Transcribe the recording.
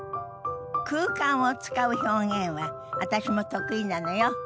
空間を使う表現は私も得意なのよ。